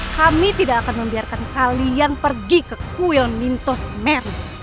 kami tidak akan membiarkan kalian pergi ke kuil mintos mary